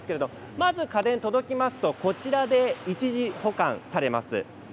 まず家電が届きますとこのスペースで一時保管されます。